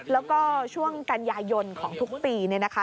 แล้วก็ช่วงกันยายนของทุกปีเนี่ยนะคะ